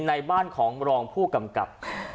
ในบ้านของรองผู้กำกับ